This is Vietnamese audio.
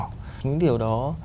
chính điều đó